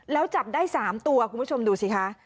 แล้วจับได้๓ตัวคุณผู้ชมดูสิคะ